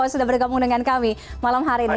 sudah bergabung dengan kami malam hari ini